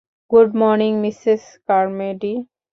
Good morning, Mrs Carmody!